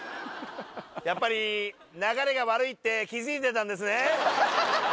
やっぱり流れが悪いって気付いてたんですね。